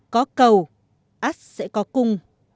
có cầu ác sẽ có cung